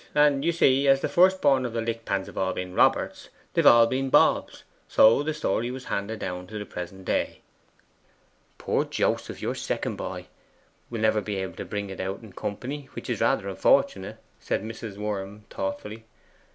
And, you see, as the first born of the Lickpans have all been Roberts, they've all been Bobs, so the story was handed down to the present day.' 'Poor Joseph, your second boy, will never be able to bring it out in company, which is rather unfortunate,' said Mrs. Worm thoughtfully.